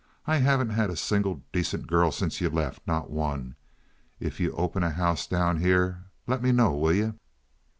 I haven't had a single decent girl since you left—not one. If you open a house down here, let me know, will you?"